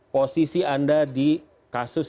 posisi anda di kasus